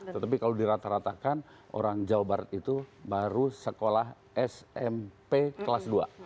tetapi kalau dirata ratakan orang jawa barat itu baru sekolah smp kelas dua